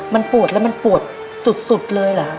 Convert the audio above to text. มันปวดแล้วมันปวดสุดเลยเหรอฮะ